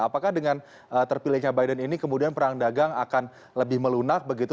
apakah dengan terpilihnya biden ini kemudian perang dagang akan lebih melunak begitu